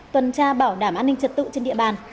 tuần tra bảo đảm an ninh trật tự trên địa bàn